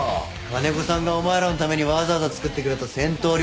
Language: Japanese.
金子さんがお前らのためにわざわざ作ってくれた戦闘糧食だ。